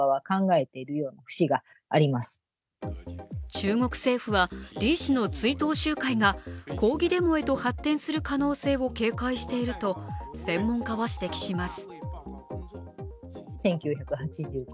中国政府は李氏の追悼集会が抗議デモへと発展する可能性を警戒していると専門家は指摘します。